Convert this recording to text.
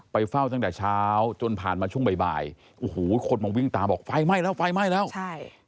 ไปเฝ้าตั้งแต่เช้าจนผ่านมาช่วงบ่ายบ่ายโอ้โหคนมาวิ่งตามบอกไฟไหม้แล้วไฟไหม้แล้วใช่